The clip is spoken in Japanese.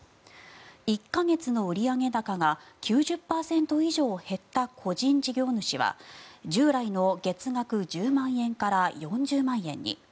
１か月の売上高が９０％以上減った個人事業主は従来の月額１０万円から４０万円に。